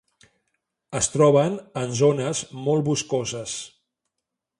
Es troben en zones molt boscoses.